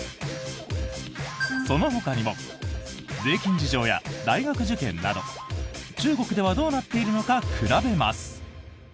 そのほかにも税金事情や大学受験など中国ではどうなっているのか比べます。